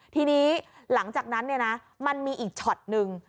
ทีนี้หลังจากนั้นมันมีอีกช็อตนึง